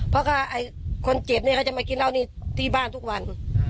เพราะว่าไอ้คนเจ็บเนี่ยเขาจะมากินเหล้านี่ที่บ้านทุกวัน